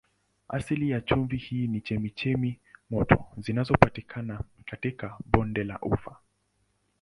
Asili ya chumvi hii ni chemchemi moto zinazopatikana katika bonde la Ufa.